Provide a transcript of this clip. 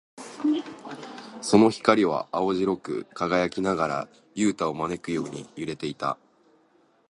その光は青白く輝きながら、ユウタを招くように揺れていた。